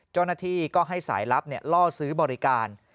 เจ้าหน้าที่ก็ให้สายลับล่อซื้อบริการ